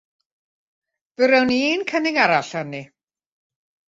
Fe rown ni un cynnig arall arni.